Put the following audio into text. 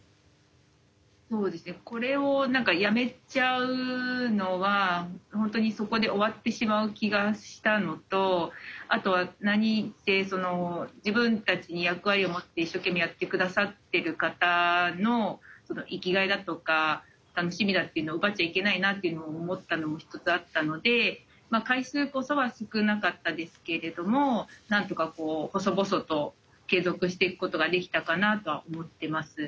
そうですねこれをやめちゃうのは本当にそこで終わってしまう気がしたのとあとは何ってその自分たちに役割を持って一生懸命やって下さってる方の生きがいだとか楽しみだっていうのを奪っちゃいけないなっていうのを思ったのも一つあったので回数こそは少なかったですけれどもなんとかこう細々と継続していくことができたかなとは思ってます。